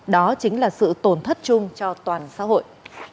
đó chính là sự tổn thất chung cho toàn xã hội